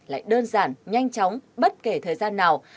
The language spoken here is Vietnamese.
lại đơn giản nhanh chóng bất kể thời gian nào